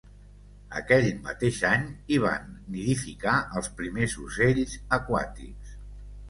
Aquell mateix any hi van nidificar els primers ocells aquàtics.